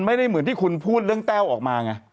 ไม่ได้เหมือนที่คุณพูดเรื่องแต้วออกมาไง